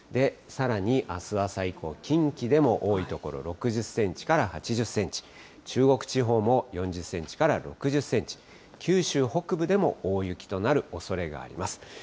さらにあす朝以降、近畿でも多い所６０センチから８０センチ、中国地方も４０センチから６０センチ、九州北部でも大雪となるおそれがあります。